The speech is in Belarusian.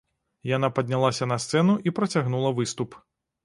Яна паднялася на сцэну і працягнула выступ.